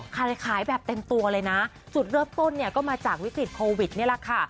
คล้ายแบบเต็มตัวเลยนะจุดเริ่มต้นก็มาจากวิศิษฐ์โควิดนี่แหละค่ะ